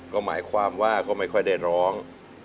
ก็หมายความว่าก็ไม่ค่อยได้ร้อง